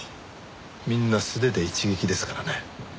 みんな素手で一撃ですからね。